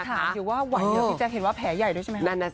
มันจะถามว่าไหวเหรออีจักรเห็นว่าแผลใหญ่ด้วยใช่มั้ยคะ